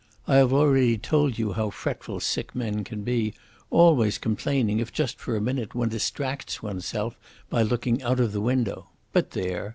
I have already told you how fretful sick men can be, always complaining if just for a minute one distracts oneself by looking out of the window. But there!